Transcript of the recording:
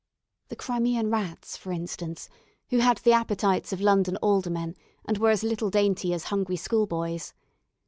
The Crimean rats, for instance, who had the appetites of London aldermen, and were as little dainty as hungry schoolboys.